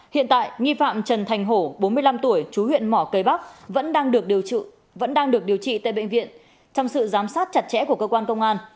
hiện tại nghi phạm trần thành hổ bốn mươi năm tuổi chú huyện mỏ cây bắc vẫn đang được điều trị tại bệnh viện trong sự giám sát chặt chẽ của cơ quan công an